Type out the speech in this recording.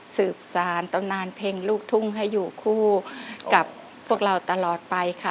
สืบสารตำนานเพลงลูกทุ่งให้อยู่คู่กับพวกเราตลอดไปค่ะ